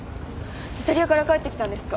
イタリアから帰ってきたんですか？